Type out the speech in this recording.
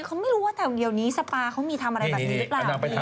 เขาไม่รู้ว่าแต่เดี๋ยวนี้สปาเขามีทำอะไรแบบนี้หรือเปล่า